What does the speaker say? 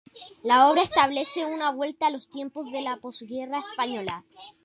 La obra establece una vuelta a los tiempos de la posguerra española.